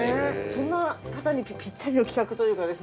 そんな方にぴったりの企画というかですね。